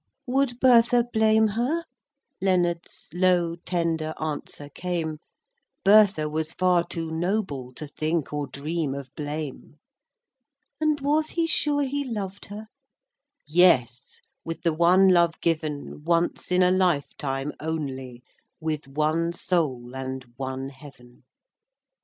"Would Bertha blame her?" Leonard's Low, tender answer came: "Bertha was far too noble To think or dream of blame." "And was he sure he loved her?" "Yes, with the one love given Once in a lifetime only, With one soul and one heaven!"